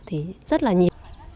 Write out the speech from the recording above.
thì rất là nhiều